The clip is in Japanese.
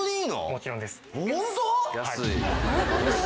もちろんです。